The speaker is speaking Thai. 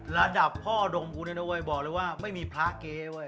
ระดับพ่อดมบุญเนี่ยนะเว้ยบอกเลยว่าไม่มีพระเกเว้ย